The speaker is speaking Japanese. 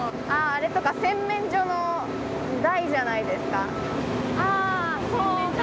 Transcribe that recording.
あれとか洗面所の台じゃないですか。